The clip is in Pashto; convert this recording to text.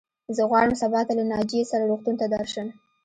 زه غواړم سبا ته له ناجيې سره روغتون ته درشم.